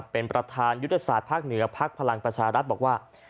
เป็นประธานยุทธศาสตร์ภาคเหนือพักพลังประชารัฐบอกว่า